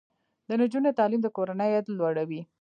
د نجونو تعلیم د کورنۍ عاید لوړوي.